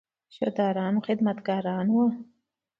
شودران خدمتګاران وو.